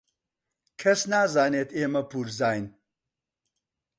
کەس نازانێت ئێمە پوورزاین.